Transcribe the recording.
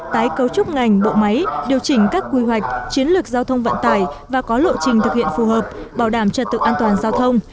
tái cấu trúc ngành bộ máy điều chỉnh các quy hoạch chiến lược giao thông vận tải và có lộ trình thực hiện phù hợp bảo đảm trật tự an toàn giao thông